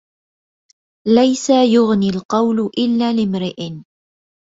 ليس يغني القول إلا لامرئ